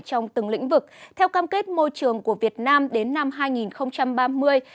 trong từng lĩnh vực theo cam kết môi trường của việt nam đến năm hai nghìn ba mươi là khoảng sáu mươi chín tỷ usd